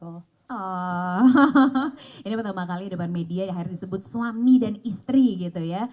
aw ini pertama kali di depan media akhirnya disebut suami dan istri gitu ya